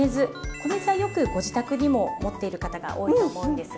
米酢はよくご自宅にも持っている方が多いと思うんですが。